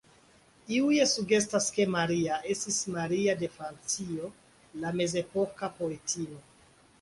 Iuj sugestas ke Maria estis Maria de Francio, la mezepoka poetino.